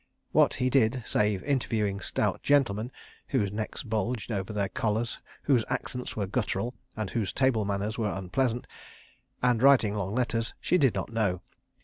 ... What he did, save interviewing stout gentlemen (whose necks bulged over their collars, whose accents were guttural, and whose table manners were unpleasant) and writing long letters, she did not know.